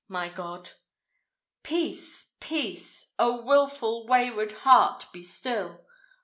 my God! Peace! peace! O, wilful, wayward heart, be still!